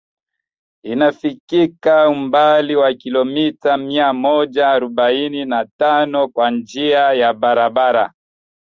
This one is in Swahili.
Inafikika umbali wa kilomita mia moja arobaini na tano kwa njia ya barabara